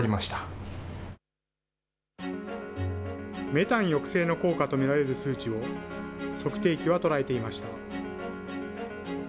メタン抑制の効果と見られる数値を、測定器は捉えていました。